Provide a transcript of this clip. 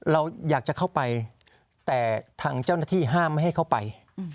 เราอยากจะเข้าไปแต่ทางเจ้าหน้าที่ห้ามไม่ให้เข้าไป